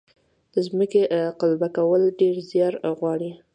د ځمکې قلبه کول ډیر زیار غواړي.